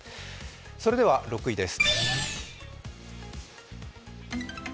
それでは６位です。